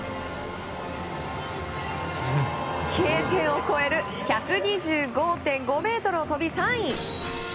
Ｋ点を越える１２５．５ｍを飛び３位。